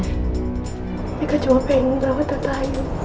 mereka cuma pengen ngerawat tante ayu